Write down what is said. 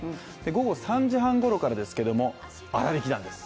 午後３時半ごろからですけど、あらびき団です。